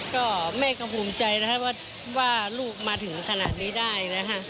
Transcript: ก็แม่ก็ภูมิใจนะครับว่าลูกมาถึงขนาดนี้ได้นะคะ